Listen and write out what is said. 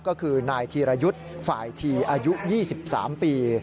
ก็คือนายธีรยุทธ์ฝ่ายทีอายุ๒๓ปี